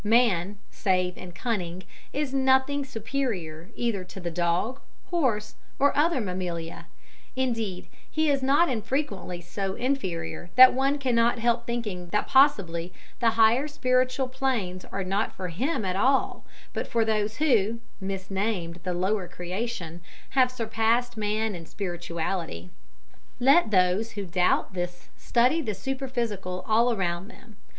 Man save in cunning is nothing superior either to the dog, horse, or other mammalia; indeed, he is not infrequently so inferior that one cannot help thinking that possibly the higher spiritual planes are not for him at all, but for those who misnamed the lower creation have surpassed man in spirituality. Let those who doubt this study the superphysical all around them.